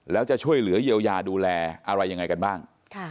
แล้วจะช่วยเหลือเยียวยาดูแลอะไรยังไงกันบ้าง